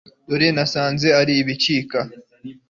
dore nasanze ari ibicika